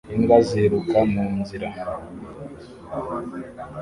Imbwa ziruka munzira